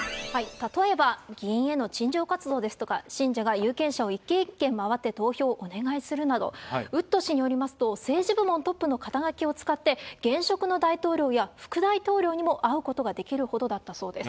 例えば、議員への陳情活動ですとか、信者が有権者を一軒一軒回って、投票をお願いするなど、ウッド氏によりますと、政治部門トップの肩書を使って、現職の大統領や副大統領にも会うことができるほどだったそうです。